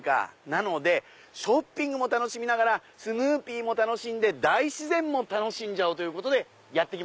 なのでショッピングも楽しみながらスヌーピーも楽しんで大自然も楽しんじゃおう！と。いいですね